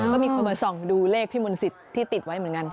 ก็มีคนมาส่องดูเลขพี่มนต์สิทธิ์ที่ติดไว้เหมือนกัน